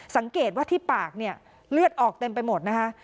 สังเกตว่าที่ปากเนี่ยเลือดออกเต็มไปหมดนะคะ